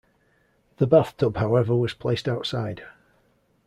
The bath tub however was placed outside.